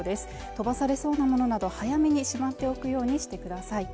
飛ばされそうなものなど早めにしまっておくようにしてください